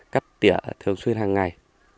cắt tỉa thường xuyên hàng ngày